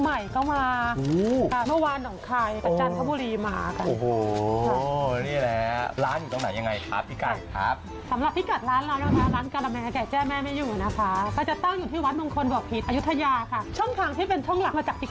พิมพ์ละ๓พิมพ์ละ๓พิมพ์ละ๓พิมพ์ละ๓พิมพ์ละ๓พิมพ์ละ๓พิมพ์ละ๓พิมพ์ละ๓พิมพ์ละ๓พิมพ์ละ๓พิมพ์ละ๓พิมพ์ละ๓พิมพ์ละ๓พิมพ์ละ๓พิมพ์ละ๓พิมพ์ละ๓พิมพ์ละ๓พิมพ์ละ๓พิมพ์ละ๓พิมพ์ละ๓พิมพ์ละ๓พิมพ์ละ๓พิมพ์ละ๓พิมพ์ละ๓พิมพ์